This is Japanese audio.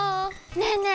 ねえねえ